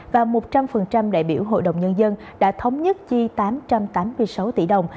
và một trăm linh đại biểu hội đồng nhân dân đã thống nhất chi tám trăm tám mươi sáu tỷ đồng